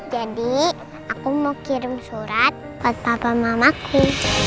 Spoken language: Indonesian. jadi aku mau kirim surat buat papa mamaku